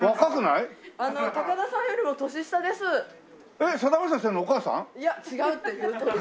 いや違うって言うとる。